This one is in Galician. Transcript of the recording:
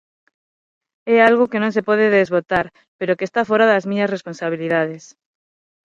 É algo que non se pode desbotar pero que está fóra das miñas responsabilidades.